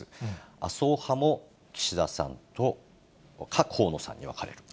麻生派も岸田さんと河野さんに分かれます。